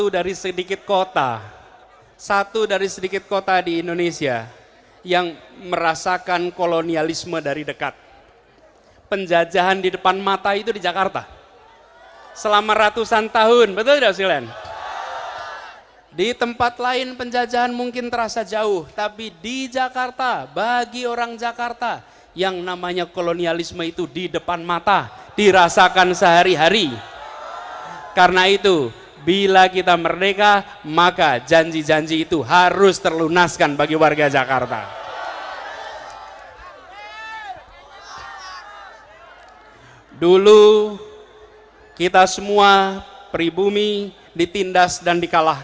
dulu kita semua pribumi ditindas dan dikalahkan